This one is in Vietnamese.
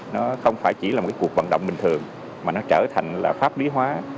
nó không phải chỉ là một cuộc vận động bình thường mà nó trở thành là pháp lý hóa